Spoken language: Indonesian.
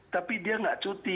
tapi dia nggak cuti